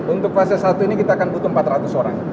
untuk fase satu ini kita akan butuh empat ratus orang